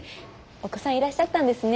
お子さんいらっしゃったんですね。